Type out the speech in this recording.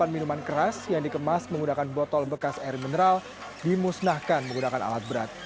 tujuh delapan ratus delapan puluh delapan minuman keras yang dikemas menggunakan botol bekas air mineral dimusnahkan menggunakan alat berat